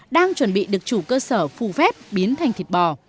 đang chuẩn bị được chủ cơ sở phù phép biến thành thịt bò